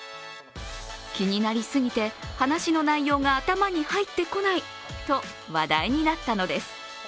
気になりすぎて、話の内容が頭に入ってこないと話題になったのです。